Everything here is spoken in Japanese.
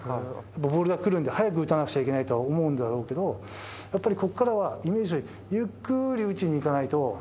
ボールが来るんで、早く打たなきゃいけないって思うんだろうけれども、やっぱりここからはイメージとして、ゆっくり打ちにいかないと。